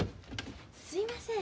すいません。